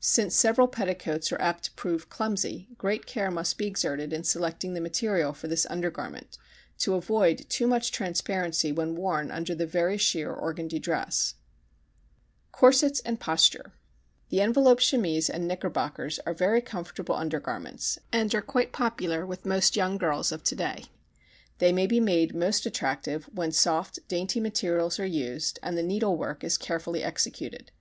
Since several petticoats are apt to prove clumsy, great care must be exerted in selecting the material for this undergarment, to avoid too much transparency when worn under the very sheer organdy dress. [Illustration: LINGERIE FOR THE GRADUATION DRESS] Corsets and Posture The envelope chemise and knickerbockers are very comfortable undergarments and are quite popular with most young girls of today. They may be made most attractive when soft dainty materials are used and the needlework is carefully executed.